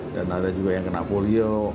dan ada juga yang kena polio